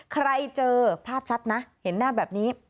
เจอภาพชัดนะเห็นหน้าแบบนี้